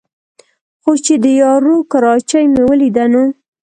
خو چې د یارو کراچۍ مې ولېده نو